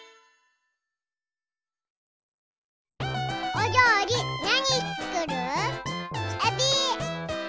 おりょうりなにつくる？えび。